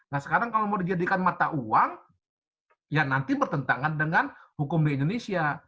nah sekarang kalau mau dijadikan mata uang ya nanti bertentangan dengan hukum di indonesia